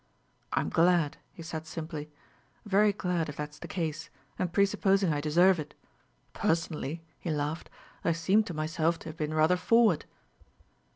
"I'm glad," he said simply; "very glad, if that's the case, and presupposing I deserve it. Personally," he laughed, "I seem to myself to have been rather forward."